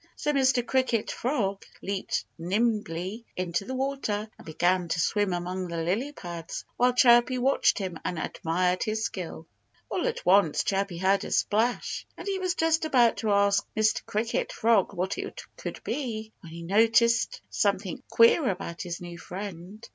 So Mr. Cricket Frog leaped nimbly into the water and began to swim among the lily pads while Chirpy watched him and admired his skill. All at once Chirpy heard a splash. And he was just about to ask Mr. Cricket Frog what it could be, when he noticed something queer about his new friend.